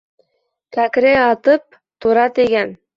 Кәкре атып, тура тейгән.